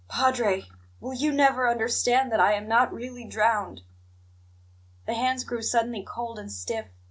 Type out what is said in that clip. "Padre, will you never understand that I am not really drowned?" The hands grew suddenly cold and stiff.